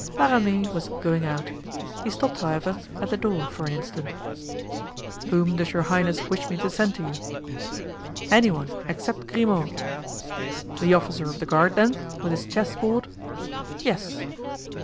La Ramee was going out. He stopped, however, at the door for an instant. "Whom does your highness wish me to send to you?" "Any one, except Grimaud." "The officer of the guard, then, with his chessboard?" "Yes."